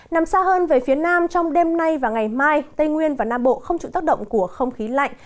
nằm xa hơn về phía nam trong đêm nay và ngày mai tây nguyên và nam bộ không chịu tác động của không khí lạnh